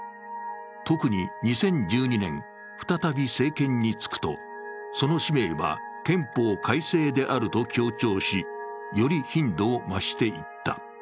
特に２０１２年、再び政権に就くとその使命は憲法改正であると強調し、より頻度を増していった。